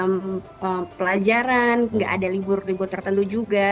belum ada pelajaran nggak ada libur libur tertentu juga